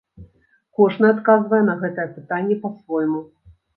Кожны адказвае на гэтае пытанне па-свойму.